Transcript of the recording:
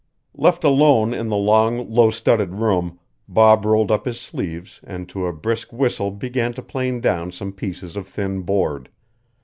Left alone in the long, low studded room, Bob rolled up his sleeves and to a brisk whistle began to plane down some pieces of thin board.